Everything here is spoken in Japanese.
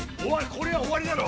これはおわりだろ！